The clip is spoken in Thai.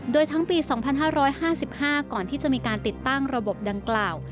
โดยทั้งปี๒๕๕๕ก่อนที่จะมีการติดตั้งระบบดังกล่าว